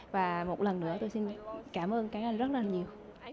và một lần nữa tôi xin cảm ơn các anh rất là nhiều